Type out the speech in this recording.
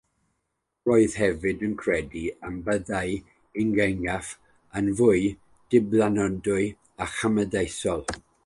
Roedd hefyd yn credu y byddai'r ieuengaf yn fwy dibynadwy a chymdeithasol.